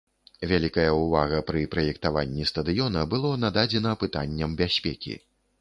Вялікая ўвага пры праектаванні стадыёна было нададзена пытанням бяспекі.